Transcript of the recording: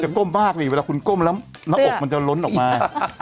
ก้มมากดิเวลาคุณก้มแล้วหน้าอกมันจะล้นออกมา